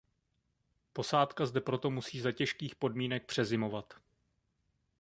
Posádka zde proto musí za těžkých podmínek přezimovat.